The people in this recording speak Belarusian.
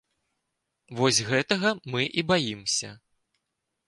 Вось гэтага мы і баімся.